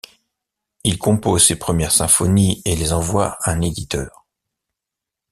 Il compose ses premières symphonies et les envoie à un éditeur.